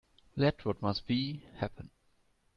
Let what must be, happen.